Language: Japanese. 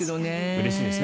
うれしいですね。